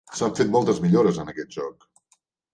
S'han fet moltes millores en aquest joc.